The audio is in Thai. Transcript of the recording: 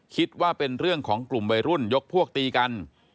คิดว่าเป็นเรื่องของกลุ่มวัยรุ่นยกพวกตีกัน